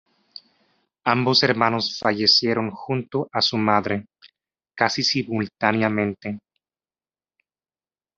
Ambos hermanos fallecieron junto a su madre, casi simultáneamente.